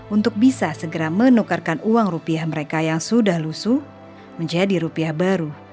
untuk bisa segera menukarkan uang rupiah mereka yang sudah lusu menjadi rupiah baru